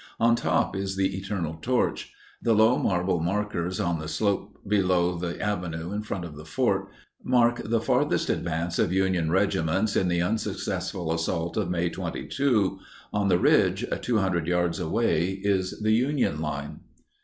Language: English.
On top is the Eternal Torch. The low marble markers on the slope, below the avenue in front of the fort, mark the farthest advance of Union regiments in the unsuccessful assault of May 22. On the ridge, 200 yards away, is the Union line.